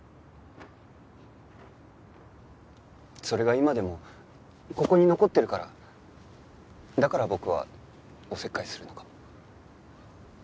それが今でもここに残ってるからだから僕はおせっかいするのかも。